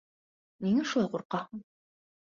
Ниңә шулай ҡурҡаһың?